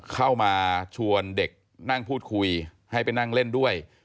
เข้ามาชวนเด็กนั่งพูดคุยให้ไปนั่งเล่นด้วย